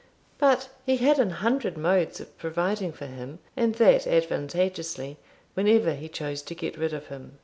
But he had an hundred modes of providing for him, and that advantageously, whenever he chose to get rid of him.